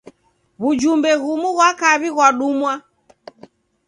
W'ujumbe ghumu ghwa kaw'i ghwadumwa.